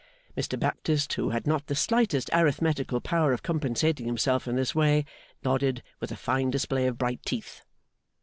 Mr Baptist, who had not the slightest arithmetical power of compensating himself in this way, nodded, with a fine display of bright teeth.